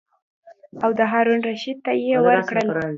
او د هارون الرشید ته یې ورکړل.